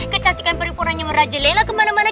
kecantikan peripurannya merajelela kemana mana